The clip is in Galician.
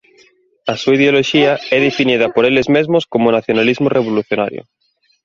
A súa ideoloxía é definida por eles mesmos como "nacionalismo revolucionario".